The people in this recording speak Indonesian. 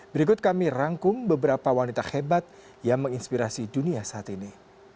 berikut kami rangkum beberapa wanita hebat yang menginspirasi dunia saat ini